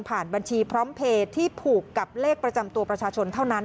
บัญชีพร้อมเพลย์ที่ผูกกับเลขประจำตัวประชาชนเท่านั้น